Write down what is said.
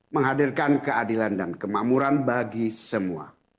menghadirkan keadilan dan kemakmuran bagi semua